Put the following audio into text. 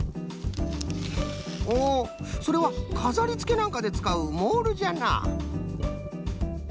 おそれはかざりつけなんかでつかうモールじゃな。